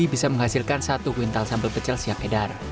budi bisa menghasilkan satu kwintal sambal pecel siap edar